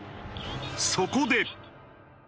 そこで。